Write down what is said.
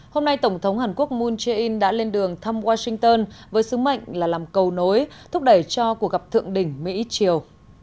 hôm nay tổng thống hàn quốc moon jae in đã lên đường thăm washington với sứ mệnh là làm cầu nối thúc đẩy cho cuộc gặp thượng đỉnh mỹ chiều